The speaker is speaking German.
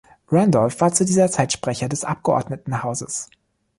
Randolph war zu dieser Zeit Sprecher des Abgeordnetenhauses.